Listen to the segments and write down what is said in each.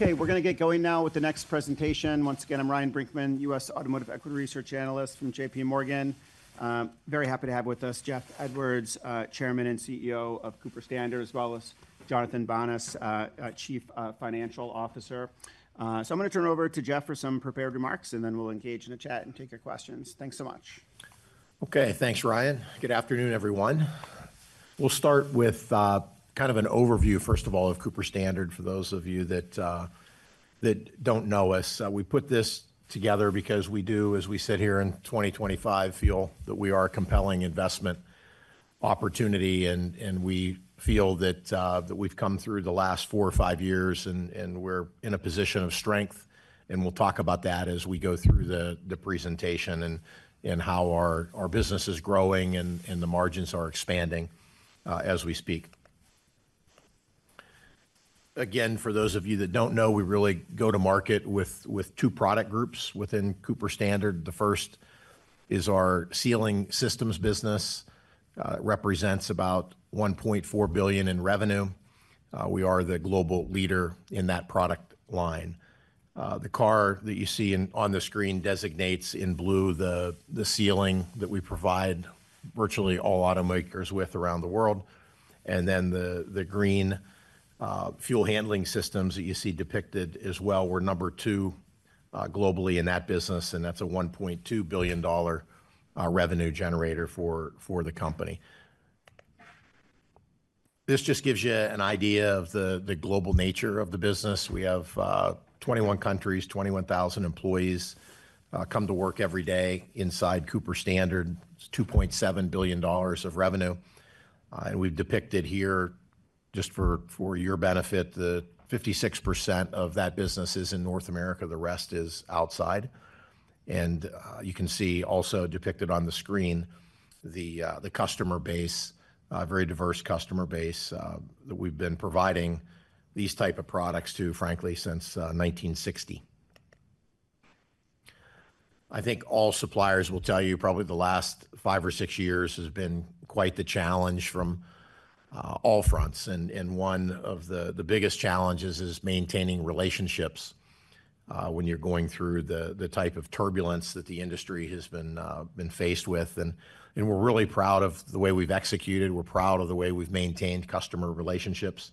Okay, we're going to get going now with the next presentation. Once again, I'm Ryan Brinkman, U.S. Automotive Equity Research Analyst from JPMorgan. Very happy to have with us Jeff Edwards, Chairman and CEO of Cooper-Standard, as well as Jonathan Banas, Chief Financial Officer. I'm going to turn it over to Jeff for some prepared remarks, and then we'll engage in the chat and take your questions. Thanks so much. Okay, thanks, Ryan. Good afternoon, everyone. We'll start with, kind of an overview, first of all, of Cooper-Standard for those of you that don't know us. We put this together because we do, as we sit here in 2025, feel that we are a compelling investment opportunity, and we feel that we've come through the last four or five years and we're in a position of strength. We'll talk about that as we go through the presentation and how our business is growing and the margins are expanding, as we speak. Again, for those of you that don't know, we really go to market with two product groups within Cooper-Standard. The first is our Sealing Systems business. It represents about $1.4 billion in revenue. We are the global leader in that product line. The car that you see on the screen designates in blue the sealing that we provide virtually all automakers with around the world. The green, fuel handling systems that you see depicted as well, we're number two globally in that business, and that's a $1.2 billion revenue generator for the company. This just gives you an idea of the global nature of the business. We have 21 countries, 21,000 employees, come to work every day inside Cooper-Standard. It's $2.7 billion of revenue. We've depicted here, just for your benefit, the 56% of that business is in North America. The rest is outside. You can see also depicted on the screen the customer base, a very diverse customer base, that we've been providing these types of products to, frankly, since 1960. I think all suppliers will tell you probably the last five or six years has been quite the challenge from all fronts. One of the biggest challenges is maintaining relationships when you're going through the type of turbulence that the industry has been faced with. We're really proud of the way we've executed. We're proud of the way we've maintained customer relationships.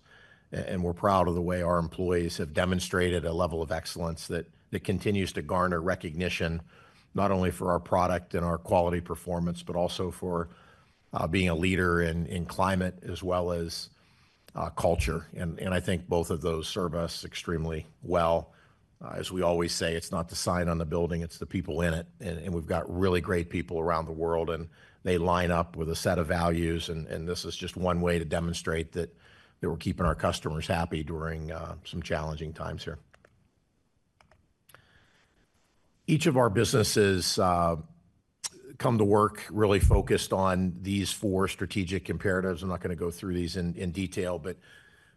We're proud of the way our employees have demonstrated a level of excellence that continues to garner recognition not only for our product and our quality performance, but also for being a leader in climate as well as culture. I think both of those serve us extremely well. As we always say, it's not the sign on the building, it's the people in it. We have really great people around the world and they line up with a set of values. This is just one way to demonstrate that we're keeping our customers happy during some challenging times here. Each of our businesses come to work really focused on these four strategic imperatives. I'm not going to go through these in detail, but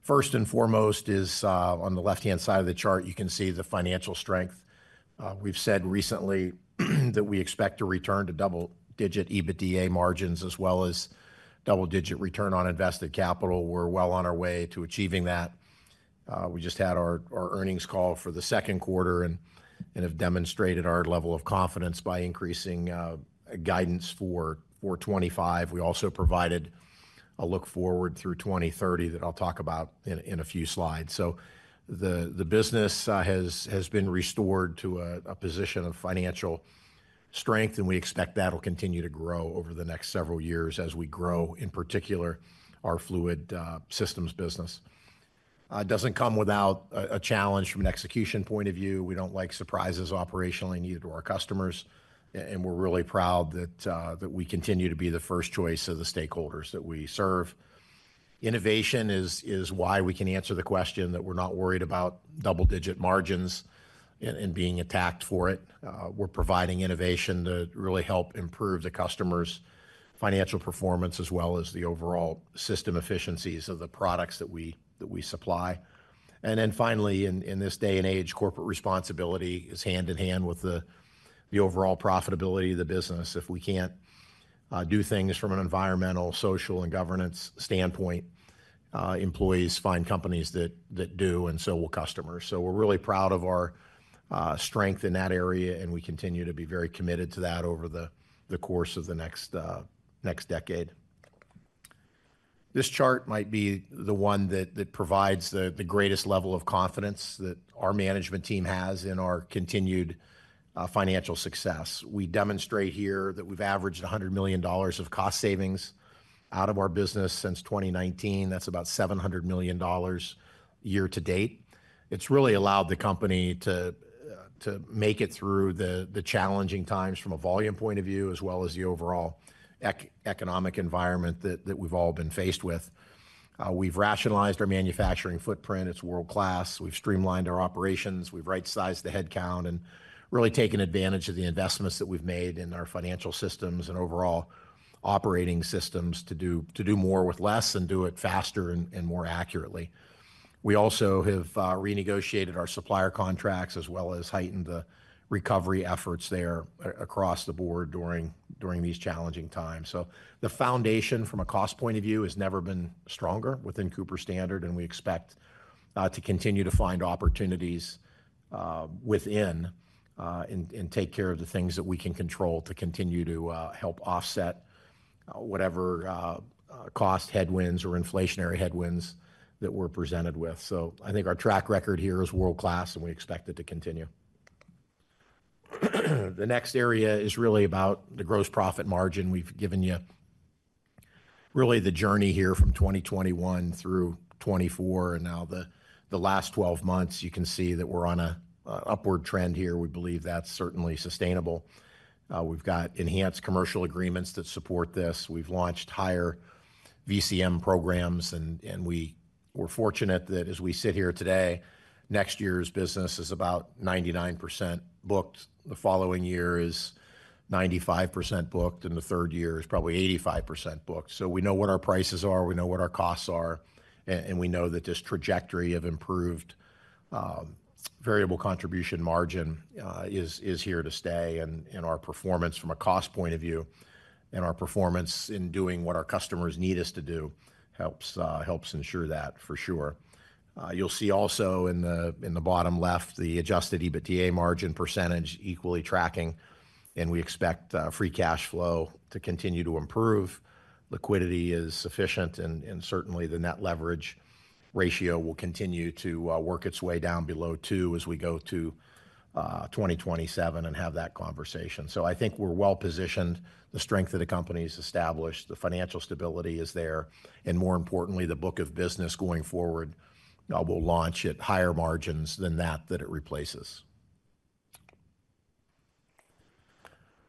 first and foremost is, on the left-hand side of the chart, you can see the financial strength. We've said recently that we expect to return to double-digit EBITDA margins as well as double-digit return on invested capital. We're well on our way to achieving that. We just had our earnings call for the second quarter and have demonstrated our level of confidence by increasing guidance for 2025. We also provided a look forward through 2030 that I'll talk about in a few slides. The business has been restored to a position of financial strength and we expect that'll continue to grow over the next several years as we grow, in particular, our fluid systems business. It doesn't come without a challenge from an execution point of view. We don't like surprises operationally needed to our customers. We're really proud that we continue to be the first choice of the stakeholders that we serve. Innovation is why we can answer the question that we're not worried about double-digit margins and being attacked for it. We're providing innovation to really help improve the customer's financial performance as well as the overall system efficiencies of the products that we supply. Finally, in this day and age, corporate responsibility is hand in hand with the overall profitability of the business. If we can't do things from an environmental, social, and governance standpoint, employees find companies that do, and so will customers. We're really proud of our strength in that area and we continue to be very committed to that over the course of the next decade. This chart might be the one that provides the greatest level of confidence that our management team has in our continued financial success. We demonstrate here that we've averaged $100 million of cost savings out of our business since 2019. That's about $700 million a year to date. It's really allowed the company to make it through the challenging times from a volume point of view as well as the overall economic environment that we've all been faced with. We've rationalized our manufacturing footprint. It's world-class. We've streamlined our operations. We've right-sized the headcount and really taken advantage of the investments that we've made in our financial systems and overall operating systems to do more with less and do it faster and more accurately. We also have renegotiated our supplier contracts as well as heightened the recovery efforts there across the board during these challenging times. The foundation from a cost point of view has never been stronger within Cooper-Standard, and we expect to continue to find opportunities within and take care of the things that we can control to continue to help offset whatever cost headwinds or inflationary headwinds that we're presented with. I think our track record here is world-class, and we expect it to continue. The next area is really about the gross profit margin. We've given you really the journey here from 2021 through 2024 and now the last 12 months. You can see that we're on an upward trend here. We believe that's certainly sustainable. We've got enhanced commercial agreements that support this. We've launched higher VCM programs, and we were fortunate that as we sit here today, next year's business is about 99% booked. The following year is 95% booked, and the third year is probably 85% booked. We know what our prices are. We know what our costs are. We know that this trajectory of improved variable contribution margin is here to stay. Our performance from a cost point of view and our performance in doing what our customers need us to do helps ensure that for sure. You'll see also in the bottom left, the adjusted EBITDA margin percentage equally tracking. We expect free cash flow to continue to improve. Liquidity is sufficient, and certainly the net leverage ratio will continue to work its way down below two as we go to 2027 and have that conversation. I think we're well positioned. The strength of the company is established. The financial stability is there. More importantly, the book of business going forward will launch at higher margins than that that it replaces.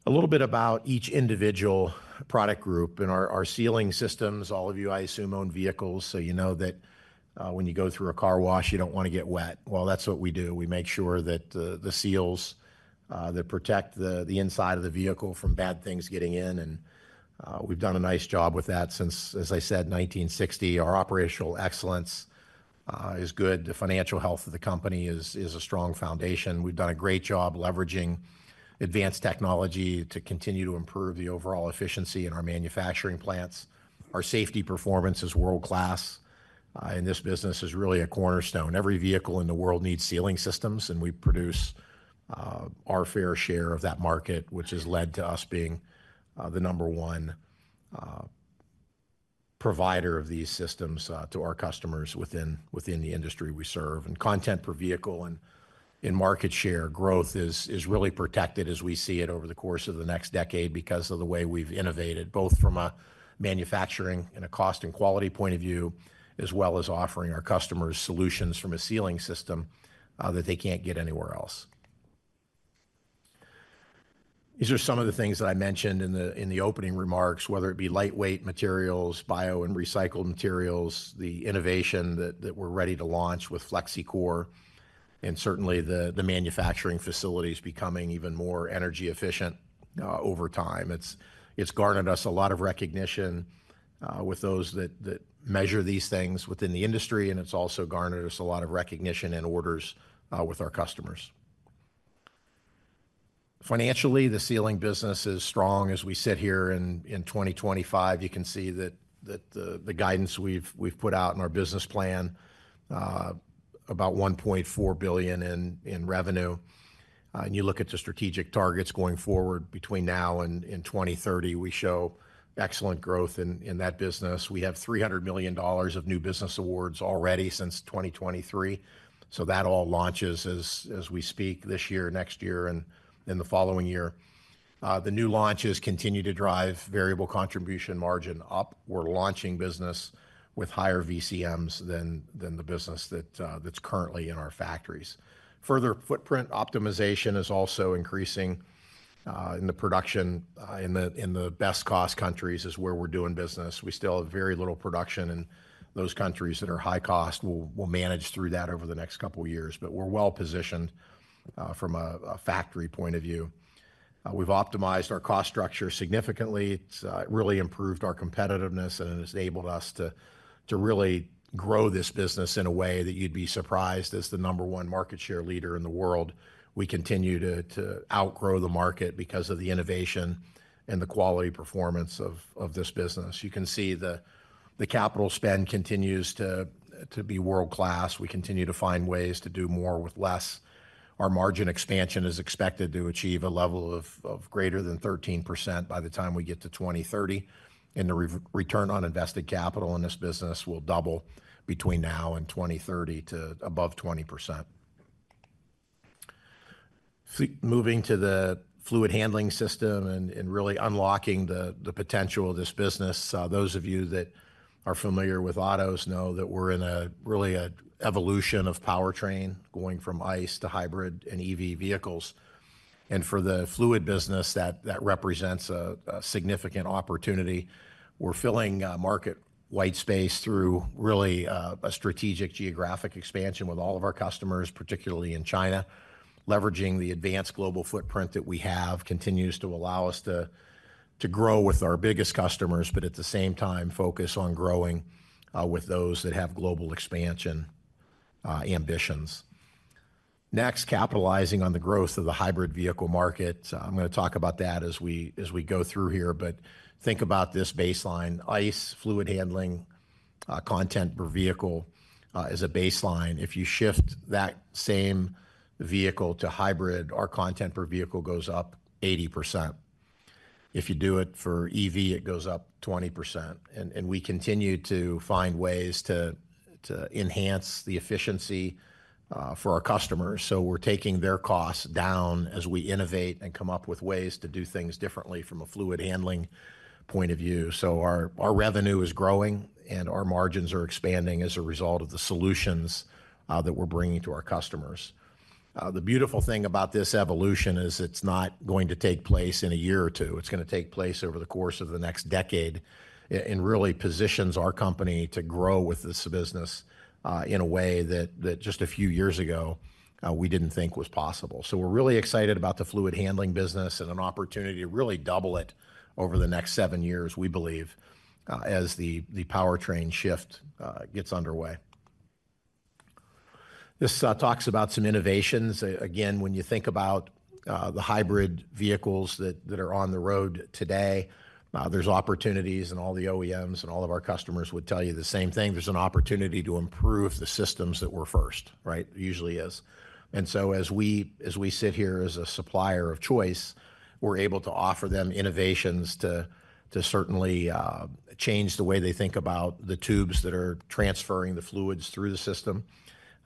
A little bit about each individual product group. In our Sealing Systems, all of you, I assume, own vehicles, so you know that when you go through a car wash, you don't want to get wet. That's what we do. We make sure that the seals protect the inside of the vehicle from bad things getting in. We've done a nice job with that since, as I said, 1960. Our operational excellence is good. The financial health of the company is a strong foundation. We've done a great job leveraging advanced technology to continue to improve the overall efficiency in our manufacturing plants. Our safety performance is world-class. In this business, it is really a cornerstone. Every vehicle in the world needs Sealing Systems, and we produce our fair share of that market, which has led to us being the number one provider of these systems to our customers within the industry we serve. Content per vehicle and market share growth is really protected as we see it over the course of the next decade because of the way we've innovated both from a manufacturing and a cost and quality point of view, as well as offering our customers solutions from a Sealing System that they can't get anywhere else. These are some of the things that I mentioned in the opening remarks, whether it be lightweight materials, bio and recycled materials, the innovation that we're ready to launch with FlexiCore, and certainly the manufacturing facilities becoming even more energy efficient over time. It's garnered us a lot of recognition with those that measure these things within the industry, and it's also garnered us a lot of recognition and orders with our customers. Financially, the sealing business is strong as we sit here in 2025. You can see that the guidance we've put out in our business plan, about $1.4 billion in revenue. You look at the strategic targets going forward between now and 2030, we show excellent growth in that business. We have $300 million of new business awards already since 2023. That all launches as we speak this year, next year, and then the following year. The new launches continue to drive variable contribution margin up. We're launching business with higher VCMs than the business that's currently in our factories. Further footprint optimization is also increasing in the production in the best cost countries is where we're doing business. We still have very little production in those countries that are high cost. We'll manage through that over the next couple of years, but we're well positioned from a factory point of view. We've optimized our cost structure significantly. It's really improved our competitiveness and has enabled us to really grow this business in a way that you'd be surprised as the number one market share leader in the world. We continue to outgrow the market because of the innovation and the quality performance of this business. You can see the capital spend continues to be world-class. We continue to find ways to do more with less. Our margin expansion is expected to achieve a level of greater than 13% by the time we get to 2030. The return on invested capital in this business will double between now and 2030 to above 20%. Moving to the fuel handling systems and really unlocking the potential of this business, those of you that are familiar with autos know that we're in a real evolution of powertrain going from internal combustion engines to hybrid and electric vehicles. For the fluid business, that represents a significant opportunity. We're filling a market white space through really a strategic geographic expansion with all of our customers, particularly in China. Leveraging the advanced global footprint that we have continues to allow us to grow with our biggest customers, but at the same time focus on growing with those that have global expansion ambitions. Next, capitalizing on the growth of the hybrid vehicle market. I'm going to talk about that as we go through here, but think about this baseline: internal combustion engines, fuel handling systems content per vehicle, as a baseline. If you shift that same vehicle to hybrid, our content per vehicle goes up 80%. If you do it for electric vehicles, it goes up 20%. We continue to find ways to enhance the efficiency for our customers. We're taking their costs down as we innovate and come up with ways to do things differently from a fuel handling systems point of view. Our revenue is growing and our margins are expanding as a result of the solutions that we're bringing to our customers. The beautiful thing about this evolution is it's not going to take place in a year or two. It's going to take place over the course of the next decade and really positions our company to grow with this business in a way that just a few years ago, we didn't think was possible. We're really excited about the fuel handling business and an opportunity to really double it over the next seven years, we believe, as the powertrain shift gets underway. This talks about some innovations. Again, when you think about the hybrid vehicles that are on the road today, there's opportunities and all the OEMs and all of our customers would tell you the same thing. There's an opportunity to improve the systems that were first, right? It usually is. As we sit here as a supplier of choice, we're able to offer them innovations to certainly change the way they think about the tubes that are transferring the fluids through the system.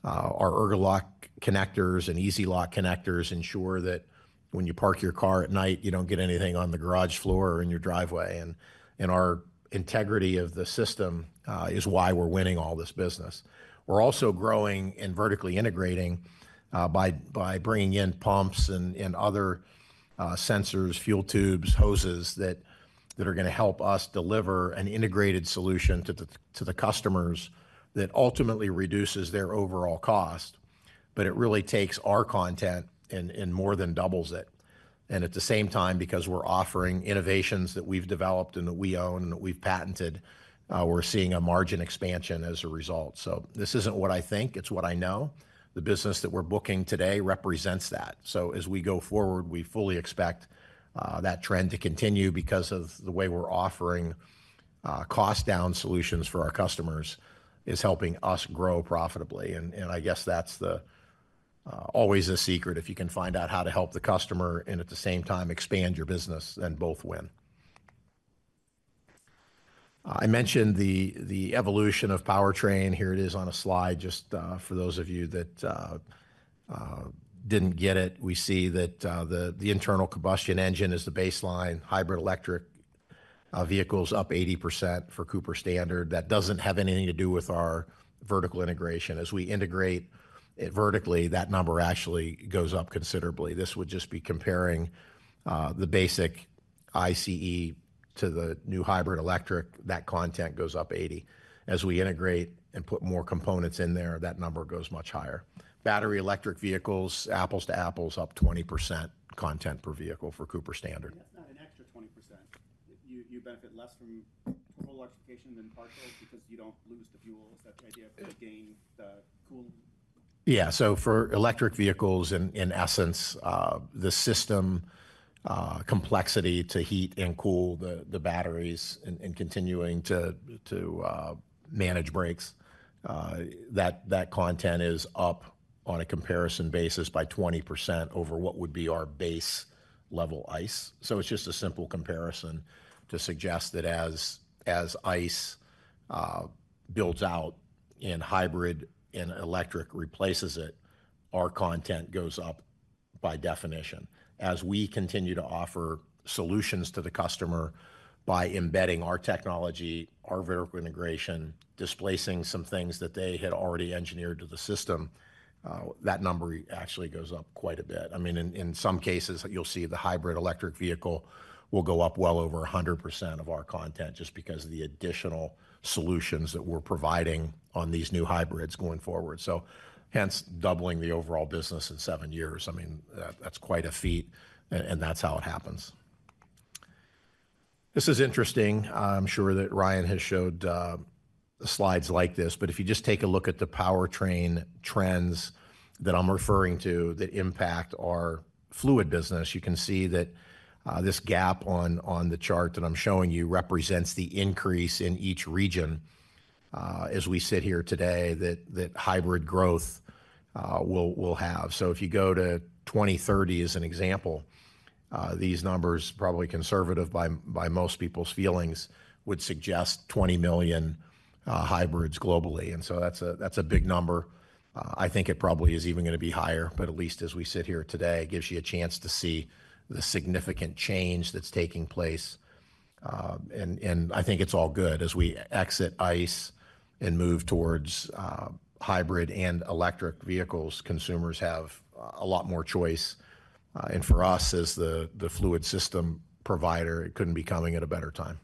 Our Ergolock connectors and EasyLock connectors ensure that when you park your car at night, you don't get anything on the garage floor or in your driveway. Our integrity of the system is why we're winning all this business. We're also growing and vertically integrating by bringing in pumps and other sensors, fuel tubes, hoses that are going to help us deliver an integrated solution to the customers that ultimately reduces their overall cost, but it really takes our content and more than doubles it. At the same time, because we're offering innovations that we've developed and that we own and that we've patented, we're seeing a margin expansion as a result. This isn't what I think, it's what I know. The business that we're booking today represents that. As we go forward, we fully expect that trend to continue because the way we're offering cost-down solutions for our customers is helping us grow profitably. I guess that's always the secret if you can find out how to help the customer and at the same time expand your business and both win. I mentioned the evolution of powertrain. Here it is on a slide just for those of you that didn't get it. We see that the internal combustion engine is the baseline. Hybrid electric vehicles up 80% for Cooper-Standard. That doesn't have anything to do with our vertical integration. As we integrate it vertically, that number actually goes up considerably. This would just be comparing the basic ICE to the new hybrid electric. That content goes up 80%. As we integrate and put more components in there, that number goes much higher. Battery electric vehicles, apples-to-apples, up 20% content per vehicle for Cooper-Standard. Not an extra 20%. You benefit less from coal electrification than part coal because you don't lose the fuel, et cetera, the idea of the gains, the cool. Yeah, so for electric vehicles, in essence, the system complexity to heat and cool the batteries and continuing to manage brakes, that content is up on a comparison basis by 20% over what would be our base level internal combustion engines. It's just a simple comparison to suggest that as internal combustion engines build out and hybrid and electric replaces it, our content goes up by definition. As we continue to offer solutions to the customer by embedding our technology, our vertical integration, displacing some things that they had already engineered to the system, that number actually goes up quite a bit. In some cases, you'll see the hybrid electric vehicle will go up well over 100% of our content just because of the additional solutions that we're providing on these new hybrids going forward. Hence doubling the overall business in seven years. That's quite a feat and that's how it happens. This is interesting. I'm sure that Ryan has showed the slides like this, but if you just take a look at the powertrain trends that I'm referring to that impact our fluid business, you can see that this gap on the chart that I'm showing you represents the increase in each region, as we sit here today, that hybrid growth will have. If you go to 2030 as an example, these numbers, probably conservative by most people's feelings, would suggest 20 million hybrids globally. That's a big number. I think it probably is even going to be higher, but at least as we sit here today, it gives you a chance to see the significant change that's taking place. I think it's all good. As we exit internal combustion engines and move towards hybrid and electric vehicles, consumers have a lot more choice. For us, as the fluid system provider, it couldn't be coming at a better time.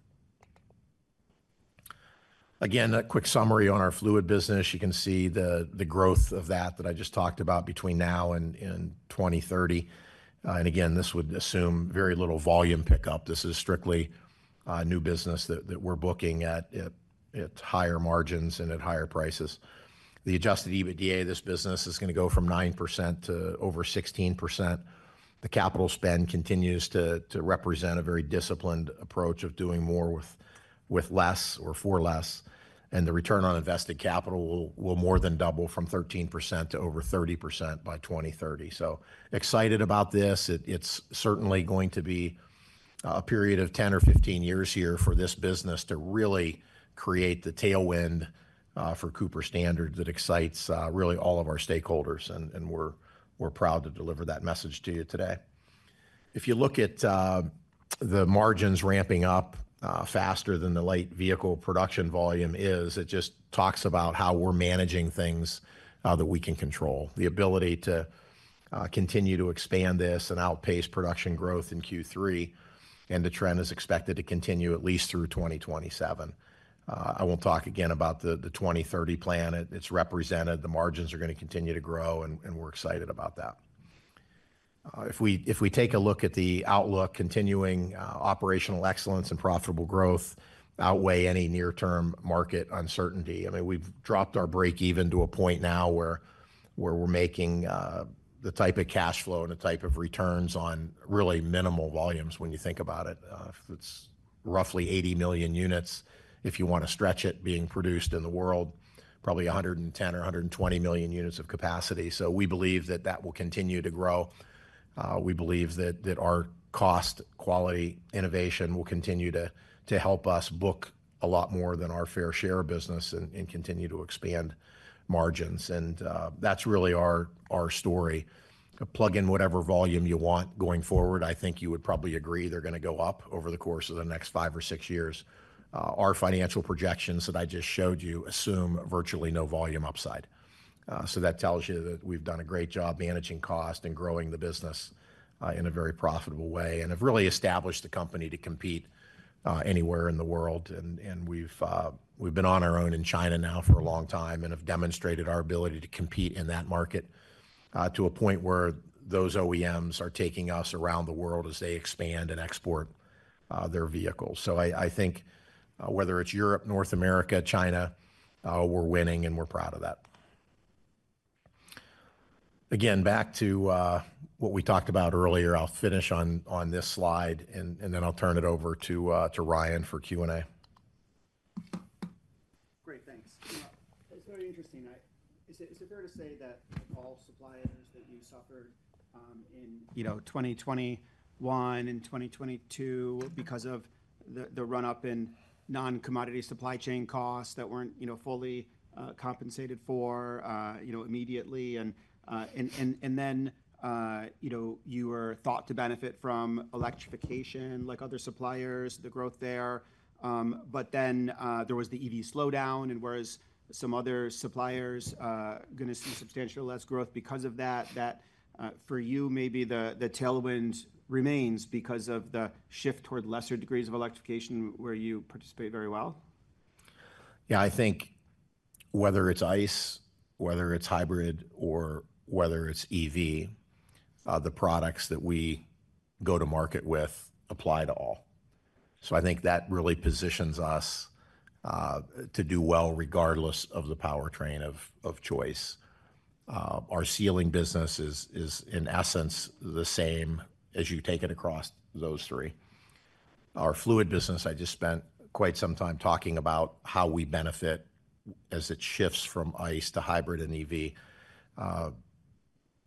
Again, a quick summary on our fluid business. You can see the growth of that that I just talked about between now and 2030. Again, this would assume very little volume pickup. This is strictly new business that we're booking at higher margins and at higher prices. The adjusted EBITDA of this business is going to go from 9% to over 16%. The capital spend continues to represent a very disciplined approach of doing more with less or for less. The return on invested capital will more than double from 13% to over 30% by 2030. So excited about this. It's certainly going to be a period of 10 or 15 years here for this business to really create the tailwind for Cooper-Standard that excites really all of our stakeholders. We're proud to deliver that message to you today. If you look at the margins ramping up faster than the light vehicle production volume is, it just talks about how we're managing things that we can control. The ability to continue to expand this and outpace production growth in Q3, and the trend is expected to continue at least through 2027. I won't talk again about the 2030 plan. It's represented. The margins are going to continue to grow and we're excited about that. If we take a look at the outlook, continuing operational excellence and profitable growth outweigh any near-term market uncertainty. We've dropped our break even to a point now where we're making the type of cash flow and the type of returns on really minimal volumes when you think about it. It's roughly 80 million units if you want to stretch it being produced in the world, probably 110 million or 120 million units of capacity. We believe that that will continue to grow. We believe that our cost, quality, innovation will continue to help us book a lot more than our fair share of business and continue to expand margins. That's really our story. Plug in whatever volume you want going forward. I think you would probably agree they're going to go up over the course of the next five or six years. Our financial projections that I just showed you assume virtually no volume upside, so that tells you that we've done a great job managing cost and growing the business in a very profitable way and have really established the company to compete anywhere in the world. We've been on our own in China now for a long time and have demonstrated our ability to compete in that market to a point where those OEMs are taking us around the world as they expand and export their vehicles. I think, whether it's Europe, North America, China, we're winning and we're proud of that. Again, back to what we talked about earlier, I'll finish on this slide and then I'll turn it over to Ryan for Q&A. Great, thanks. It's very interesting. Is it fair to say that all suppliers suffered in 2021 and 2022 because of the run-up in non-commodity supply chain costs that weren't fully compensated for immediately? You were thought to benefit from electrification like other suppliers, the growth there, but then there was the EV slowdown. Whereas some other suppliers are going to see substantially less growth because of that, for you, maybe the tailwind remains because of the shift toward lesser degrees of electrification where you participate very well. Yeah, I think whether it's ICE, whether it's hybrid, or whether it's EV, the products that we go to market with apply to all. I think that really positions us to do well regardless of the powertrain of choice. Our Sealing business is in essence the same as you take it across those three. Our fluid business, I just spent quite some time talking about how we benefit as it shifts from ICE to hybrid and EV.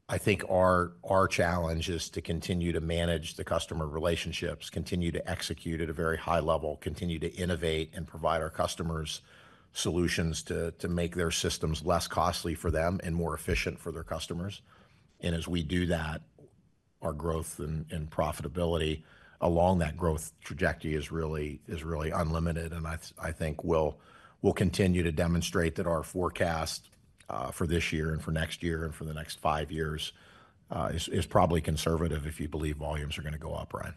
I think our challenge is to continue to manage the customer relationships, continue to execute at a very high level, continue to innovate and provide our customers solutions to make their systems less costly for them and more efficient for their customers. As we do that, our growth and profitability along that growth trajectory is really unlimited. I think we'll continue to demonstrate that our forecast for this year and for next year and for the next five years is probably conservative if you believe volumes are going to go up, Ryan.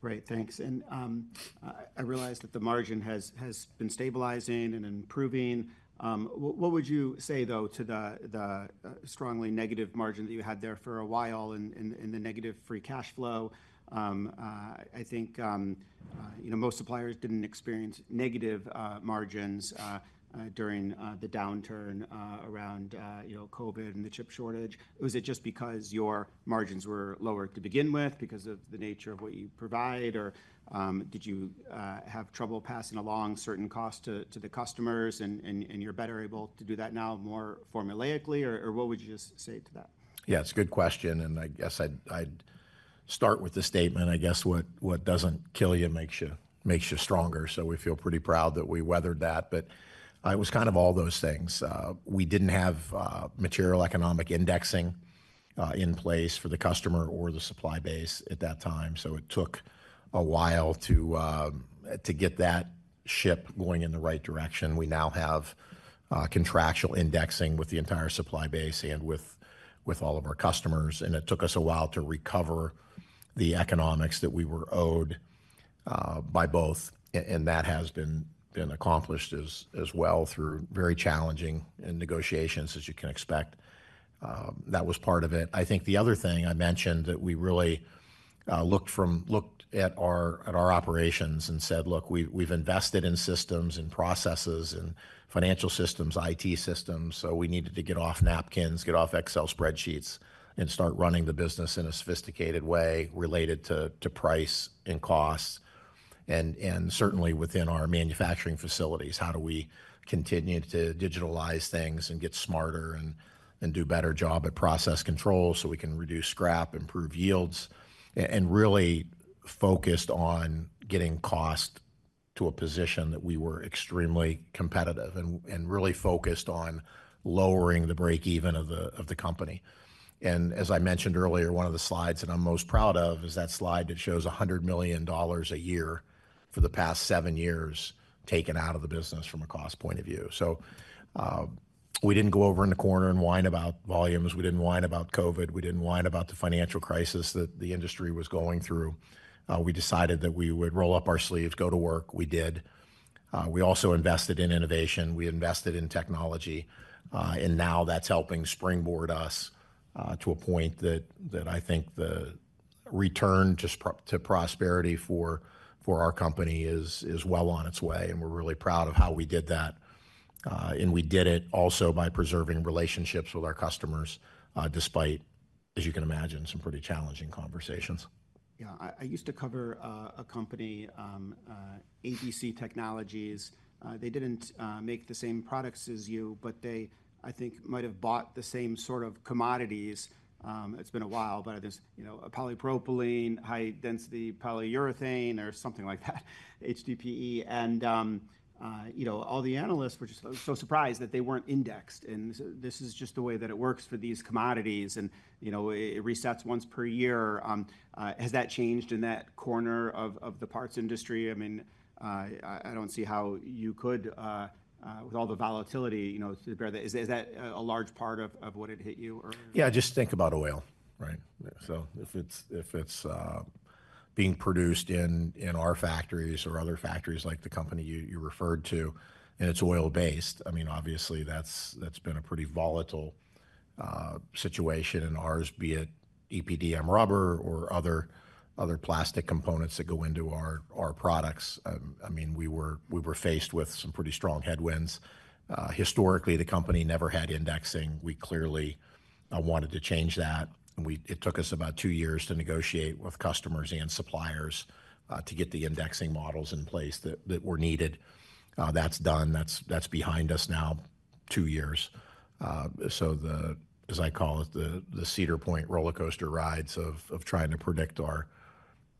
Great, thanks. I realize that the margin has been stabilizing and improving. What would you say though to the strongly negative margin that you had there for a while and the negative free cash flow? I think most suppliers didn't experience negative margins during the downturn around COVID and the chip shortage. Was it just because your margins were lower to begin with because of the nature of what you provide? Did you have trouble passing along certain costs to the customers and you're better able to do that now more formulaically? What would you just say to that? Yeah, it's a good question. I'd start with the statement, what doesn't kill you makes you stronger. We feel pretty proud that we weathered that. It was kind of all those things. We didn't have material economic indexing in place for the customer or the supply base at that time. It took a while to get that ship going in the right direction. We now have contractual indexing with the entire supply base and with all of our customers. It took us a while to recover the economics that we were owed by both. That has been accomplished as well through very challenging negotiations, as you can expect. That was part of it. I think the other thing I mentioned is that we really looked at our operations and said, look, we've invested in systems and processes and financial systems, IT systems. We needed to get off napkins, get off Excel spreadsheets, and start running the business in a sophisticated way related to price and cost. Certainly within our manufacturing facilities, how do we continue to digitalize things and get smarter and do a better job at process control so we can reduce scrap, improve yields, and really focus on getting cost to a position that we were extremely competitive and really focused on lowering the break even of the company. As I mentioned earlier, one of the slides that I'm most proud of is that slide that shows $100 million a year for the past seven years taken out of the business from a cost point of view. We didn't go over in the corner and whine about volumes. We didn't whine about COVID. We didn't whine about the financial crisis that the industry was going through. We decided that we would roll up our sleeves, go to work. We did. We also invested in innovation. We invested in technology, and now that's helping springboard us to a point that I think the return to prosperity for our company is well on its way. We're really proud of how we did that, and we did it also by preserving relationships with our customers, despite, as you can imagine, some pretty challenging conversations. Yeah, I used to cover a company, ADC Technologies. They didn't make the same products as you, but they, I think, might have bought the same sort of commodities. It's been a while, but it is, you know, a polypropylene, high-density polyurethane or something like that, HDPE. You know, all the analysts were just so surprised that they weren't indexed. This is just the way that it works for these commodities. It resets once per year. Has that changed in that corner of the parts industry? I mean, I don't see how you could, with all the volatility, you know, to bear that. Is that a large part of what had hit you? Yeah, just think about oil, right? If it's being produced in our factories or other factories like the company you referred to, and it's oil-based, obviously that's been a pretty volatile situation in ours, be it EPDM rubber or other plastic components that go into our products. We were faced with some pretty strong headwinds. Historically, the company never had indexing. We clearly wanted to change that. It took us about two years to negotiate with customers and suppliers to get the indexing models in place that were needed. That's done. That's behind us now, two years. The, as I call it, the Cedar Point rollercoaster rides of trying to predict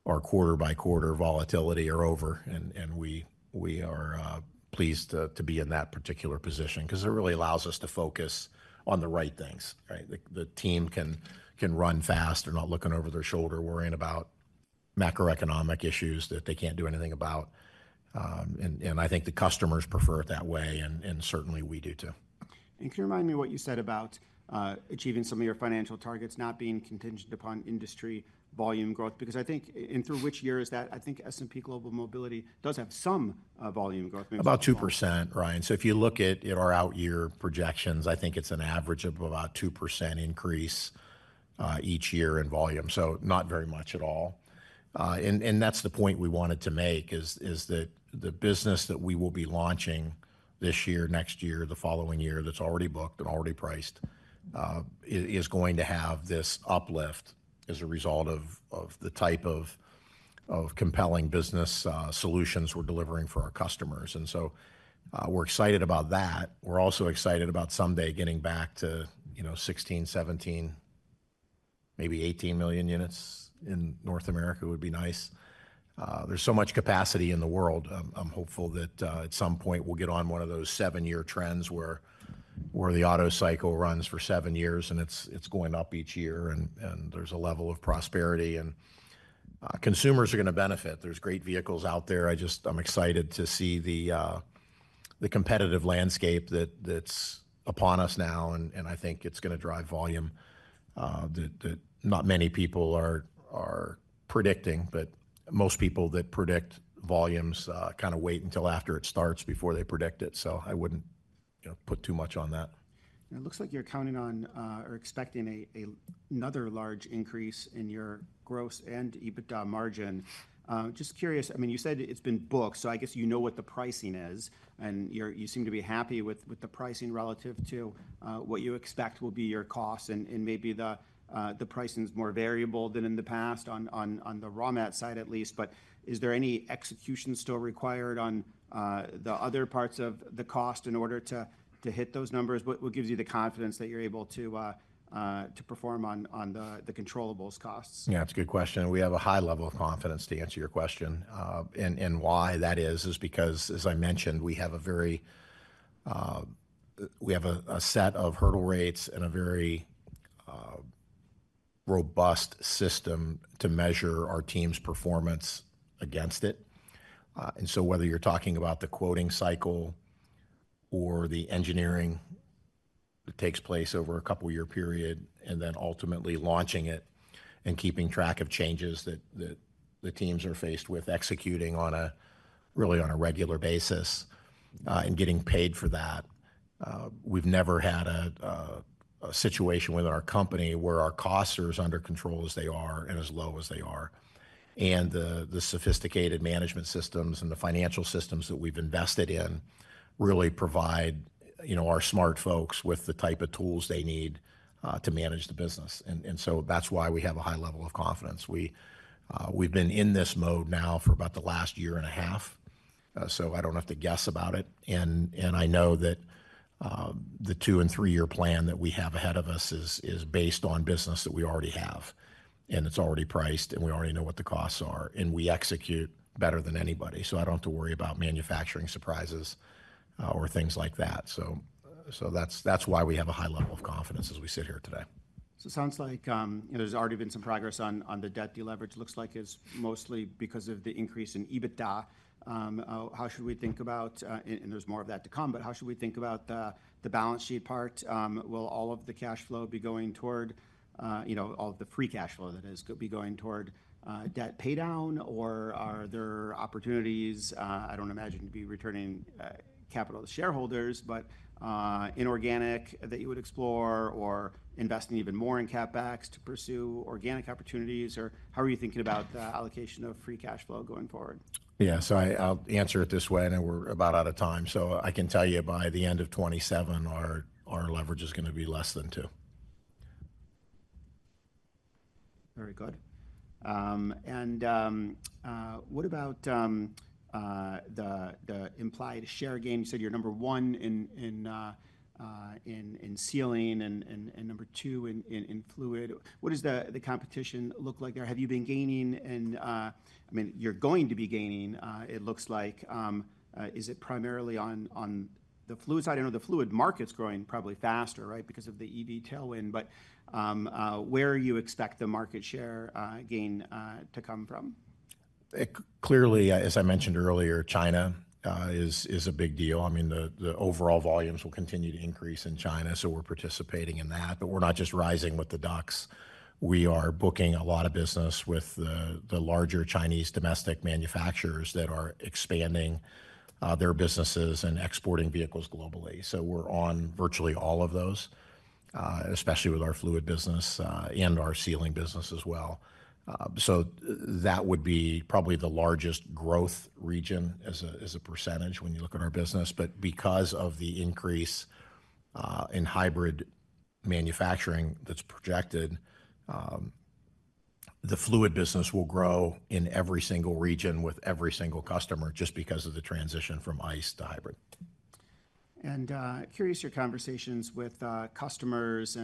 our quarter by quarter volatility are over. We are pleased to be in that particular position because it really allows us to focus on the right things, right? The team can run fast. They're not looking over their shoulder, worrying about macroeconomic issues that they can't do anything about. I think the customers prefer it that way, and certainly we do too. Can you remind me what you said about achieving some of your financial targets not being contingent upon industry volume growth? I think, and through which year is that? I think S&P Global Mobility does have some volume growth. About 2%, Ryan. If you look at our out-year projections, I think it's an average of about a 2% increase each year in volume, so not very much at all. That's the point we wanted to make, that the business we will be launching this year, next year, the following year, that's already booked and already priced, is going to have this uplift as a result of the type of compelling business solutions we're delivering for our customers. We're excited about that. We're also excited about someday getting back to, you know, 16 million units, 17 million units, maybe 18 million units in North America would be nice. There's so much capacity in the world. I'm hopeful that at some point we'll get on one of those seven-year trends where the auto cycle runs for seven years and it's going up each year, and there's a level of prosperity and consumers are going to benefit. There are great vehicles out there. I'm excited to see the competitive landscape that's upon us now. I think it's going to drive volume that not many people are predicting, but most people that predict volumes kind of wait until after it starts before they predict it. I wouldn't put too much on that. It looks like you're counting on, or expecting, another large increase in your gross and EBITDA margin. Just curious, you said it's been booked, so I guess you know what the pricing is and you seem to be happy with the pricing relative to what you expect will be your cost, and maybe the pricing is more variable than in the past on the raw mat side at least. Is there any execution still required on the other parts of the cost in order to hit those numbers? What gives you the confidence that you're able to perform on the controllables costs? Yeah, it's a good question. We have a high level of confidence to answer your question, and why that is, is because, as I mentioned, we have a set of hurdle rates and a very robust system to measure our team's performance against it. Whether you're talking about the quoting cycle or the engineering that takes place over a couple-year period and then ultimately launching it and keeping track of changes that the teams are faced with executing on a regular basis, and getting paid for that, we've never had a situation within our company where our costs are as under control as they are and as low as they are. The sophisticated management systems and the financial systems that we've invested in really provide our smart folks with the type of tools they need to manage the business. That's why we have a high level of confidence. We've been in this mode now for about the last year and a half, so I don't have to guess about it. I know that the two and three-year plan that we have ahead of us is based on business that we already have. It's already priced and we already know what the costs are. We execute better than anybody. I don't have to worry about manufacturing surprises or things like that. That's why we have a high level of confidence as we sit here today. It sounds like there's already been some progress on the debt deleverage. Looks like it's mostly because of the increase in EBITDA. How should we think about, and there's more of that to come, but how should we think about the balance sheet part? Will all of the cash flow be going toward, you know, all of the free cash flow that is going to be going toward debt pay down? Or are there opportunities? I don't imagine it'd be returning capital to shareholders, but inorganic that you would explore or investing even more in CapEx to pursue organic opportunities? How are you thinking about the allocation of free cash flow going forward? Yeah, I'll answer it this way. I know we're about out of time. I can tell you by the end of 2027, our leverage is going to be less than two. Very good. What about the implied share gain? You said you're number one in sealing and number two in fluid. What does the competition look like there? Have you been gaining in, I mean, you're going to be gaining, it looks like. Is it primarily on the fluid side? I know the fluid market's growing probably faster, right? Because of the EV tailwind. Where do you expect the market share gain to come from? Clearly, as I mentioned earlier, China is a big deal. I mean, the overall volumes will continue to increase in China. We're participating in that, but we're not just rising with the ducks. We are booking a lot of business with the larger Chinese domestic manufacturers that are expanding their businesses and exporting vehicles globally. We're on virtually all of those, especially with our fluid business and our Sealing business as well. That would be probably the largest growth region as a percentage when you look at our business. Because of the increase in hybrid manufacturing that's projected, the fluid business will grow in every single region with every single customer just because of the transition from internal combustion engines to hybrid. I'm curious about your conversations with customers.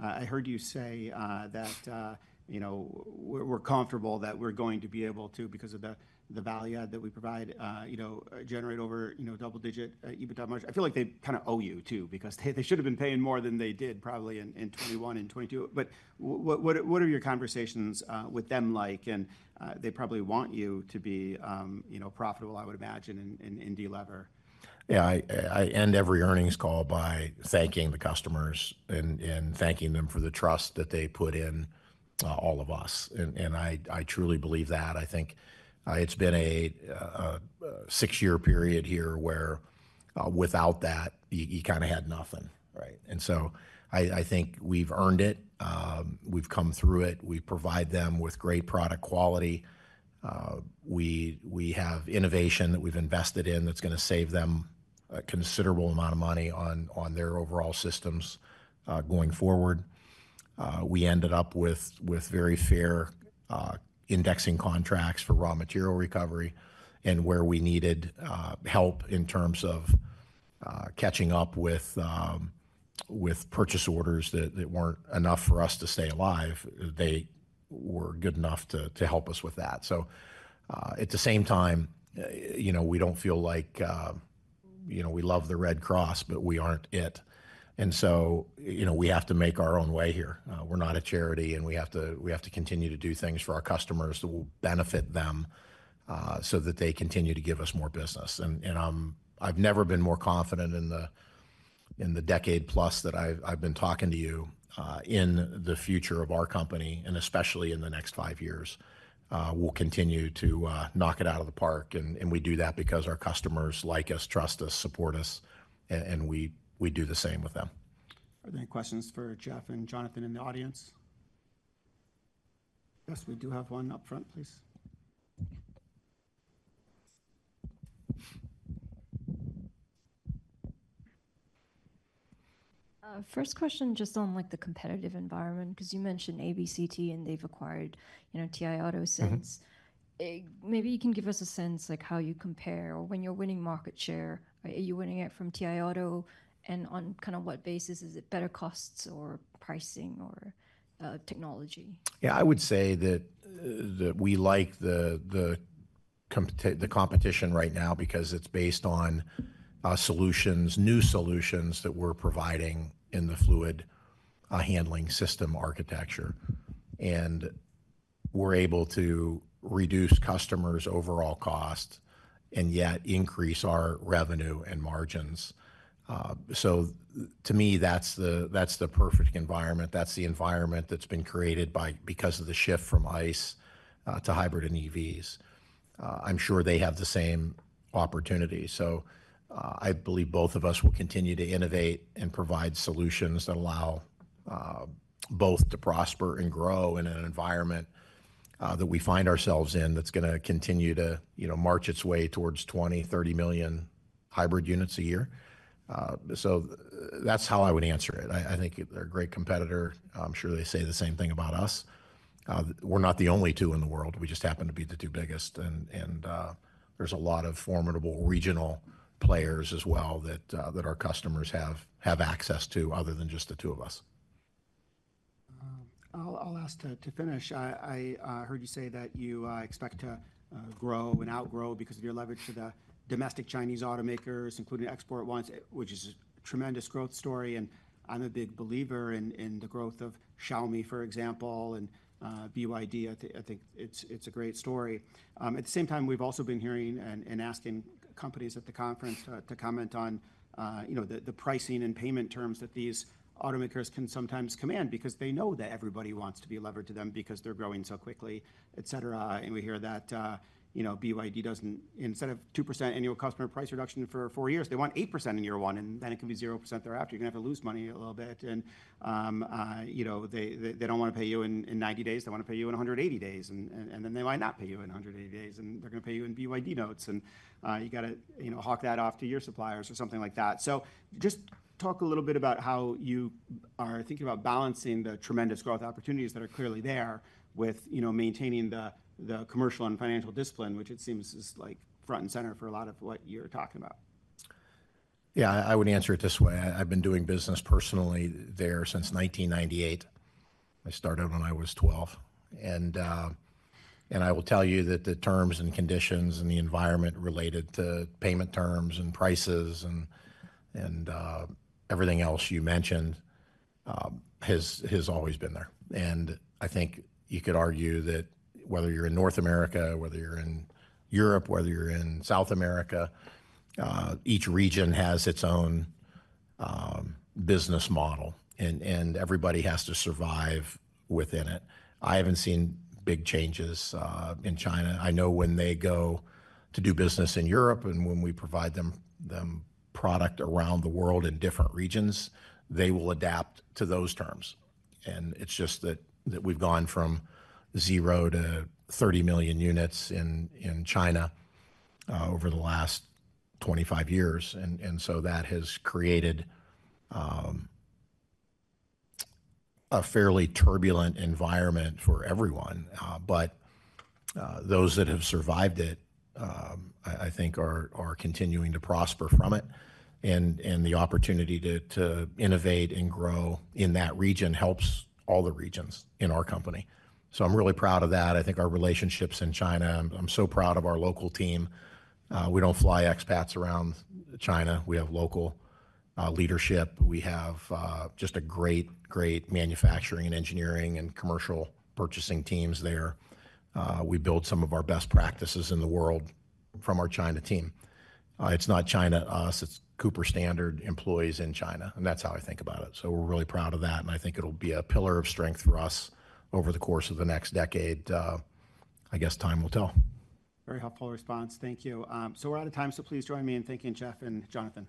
I heard you say that we're comfortable that we're going to be able to, because of the value add that we provide, generate over double-digit EBITDA margin. I feel like they kind of owe you too because they should have been paying more than they did probably in 2021 and 2022. What are your conversations with them like? They probably want you to be profitable, I would imagine, and delever. I end every earnings call by thanking the customers and thanking them for the trust that they put in all of us. I truly believe that. I think it's been a six-year period here where, without that, you kind of had nothing, right? I think we've earned it. We've come through it. We provide them with great product quality. We have innovation that we've invested in that's going to save them a considerable amount of money on their overall systems going forward. We ended up with very fair indexing contracts for raw material recovery and where we needed help in terms of catching up with purchase orders that weren't enough for us to stay alive. They were good enough to help us with that. At the same time, we don't feel like, you know, we love the Red Cross, but we aren't it. We have to make our own way here. We're not a charity and we have to continue to do things for our customers that will benefit them, so that they continue to give us more business. I've never been more confident in the decade plus that I've been talking to you, in the future of our company and especially in the next five years. We'll continue to knock it out of the park. We do that because our customers like us, trust us, support us, and we do the same with them. Are there any questions for Jeff and Jonathan in the audience? Yes, we do have one up front, please. First question just on the competitive environment because you mentioned ABCT and they've acquired, you know, TI Auto since. Maybe you can give us a sense how you compare or when you're winning market share, are you winning it from TI Auto and on what basis? Is it better costs or pricing or technology? Yeah, I would say that we like the competition right now because it's based on solutions, new solutions that we're providing in the fluid handling system architecture. We're able to reduce customers' overall costs and yet increase our revenue and margins. To me, that's the perfect environment. That's the environment that's been created because of the shift from internal combustion engines to hybrid and electric vehicles. I'm sure they have the same opportunity. I believe both of us will continue to innovate and provide solutions that allow both to prosper and grow in an environment that we find ourselves in that's going to continue to march its way towards 20 million-30 million hybrid units a year. That's how I would answer it. I think they're a great competitor. I'm sure they say the same thing about us. We're not the only two in the world. We just happen to be the two biggest, and there are a lot of formidable regional players as well that our customers have access to other than just the two of us. I'll ask to finish. I heard you say that you expect to grow and outgrow because of your leverage to the domestic Chinese automakers, including export ones, which is a tremendous growth story. I'm a big believer in the growth of Xiaomi, for example, and BYD. I think it's a great story. At the same time, we've also been hearing and asking companies at the conference to comment on the pricing and payment terms that these automakers can sometimes command because they know that everybody wants to be levered to them because they're growing so quickly, etc. We hear that BYD doesn't, instead of 2% annual customer price reduction for four years, they want 8% in year one, and then it can be 0% thereafter. You're going to have to lose money a little bit. They don't want to pay you in 90 days. They want to pay you in 180 days, and then they might not pay you in 180 days, and they're going to pay you in BYD notes. You got to hawk that off to your suppliers or something like that. Talk a little bit about how you are thinking about balancing the tremendous growth opportunities that are clearly there with maintaining the commercial and financial discipline, which it seems is front and center for a lot of what you're talking about. Yeah, I would answer it this way. I've been doing business personally there since 1998. I started when I was 12. I will tell you that the terms and conditions and the environment related to payment terms and prices and everything else you mentioned has always been there. I think you could argue that whether you're in North America, whether you're in Europe, whether you're in South America, each region has its own business model, and everybody has to survive within it. I haven't seen big changes in China. I know when they go to do business in Europe and when we provide them product around the world in different regions, they will adapt to those terms. It's just that we've gone from zero to 30 million units in China over the last 25 years, and that has created a fairly turbulent environment for everyone. Those that have survived it, I think, are continuing to prosper from it. The opportunity to innovate and grow in that region helps all the regions in our company. I'm really proud of that. I think our relationships in China, I'm so proud of our local team. We don't fly expats around China. We have local leadership. We have just great manufacturing and engineering and commercial purchasing teams there. We build some of our best practices in the world from our China team. It's not China us. It's Cooper-Standard employees in China, and that's how I think about it. We're really proud of that, and I think it'll be a pillar of strength for us over the course of the next decade. I guess time will tell. Very helpful response. Thank you. We're out of time, so please join me in thanking Jeff and Jonathan.